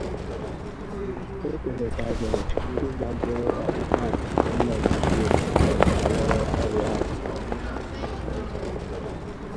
O kelekwazịrị ndị zagoro ọkpụkpọ oku gọọmenti steeti ahụ banyere ọrịa ahụ